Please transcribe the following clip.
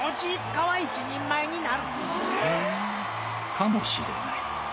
かもしれない。